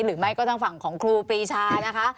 หรือไม่ก็ทางฝั่งของครูปรีชานะคะ